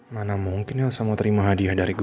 mana mungkin yang saya mau terima hadiah dari gue